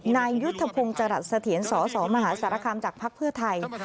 นายยุทธพงศ์จรัสเสถียรสสมหาสารคามจากภักดิ์เพื่อไทย